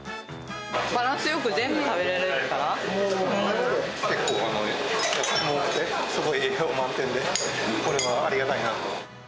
バランスよく全部食べられる結構野菜もあって、すごい栄養満点で、これはありがたいなと。